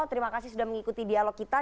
terima kasih sudah mengikuti dialog kita